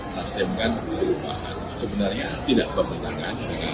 nasdem kan sebenarnya tidak berhubungan dengan keuangan